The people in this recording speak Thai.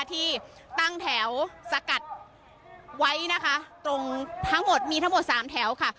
ที่ตั้งแถวสกัดไว้นะคะตรงทั้งหมดมีทั้งหมดสามแถวค่ะ